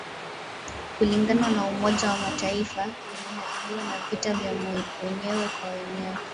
kulingana na Umoja wa mataifa limeharibiwa na vita vya wenyewe kwa wenyewe